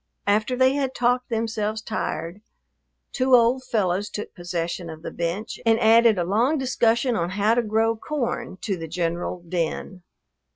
After they had talked themselves tired, two old fellows took possession of the bench and added a long discussion on how to grow corn to the general din.